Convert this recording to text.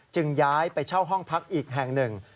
ย้ายไปเช่าห้องพักอีกแห่งหนึ่ง